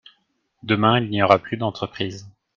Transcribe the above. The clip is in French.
Demain, il n’y aura plus d’entreprises.